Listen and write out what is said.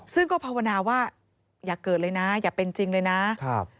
ซึ่งก็ภาวนาว่าอย่าเกิดเลยนะอย่าเป็นจริงเลยนะครับ